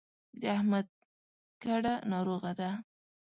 د احمد کډه ناروغه ده.